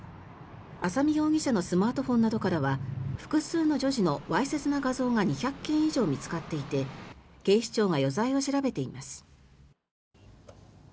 浅見容疑者のスマートフォンなどからは複数の女児のわいせつな画像が２００件以上見つかっていて警視庁が余罪を調べています。